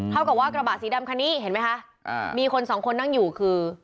เท่ากับว่ากระบะสีดำคันนี้เห็นไหมคะมีคนสองคนนั่งอยู่คือ